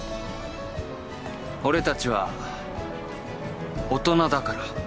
俺たちは大人だから。